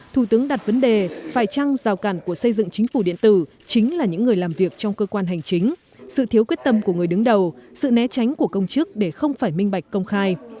thủ tướng đặt vấn đề phải chăng rào cản của xây dựng chính phủ điện tử chính là những người làm việc trong cơ quan hành chính sự thiếu quyết tâm của người đứng đầu sự né tránh của công chức để không phải minh bạch công khai